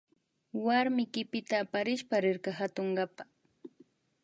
Warmi kipita aparishpa rirka katunkapa